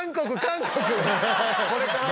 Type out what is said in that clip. これからは。